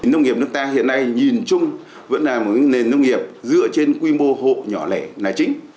nông nghiệp nước ta hiện nay nhìn chung vẫn là một nền nông nghiệp dựa trên quy mô hộ nhỏ lẻ là chính